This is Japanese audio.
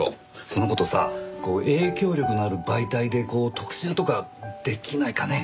その事さ影響力のある媒体で特集とかできないかね？